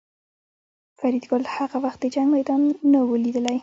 فریدګل هغه وخت د جنګ میدان نه و لیدلی